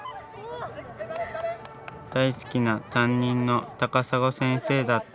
大好きな担任のたかさご先生だった。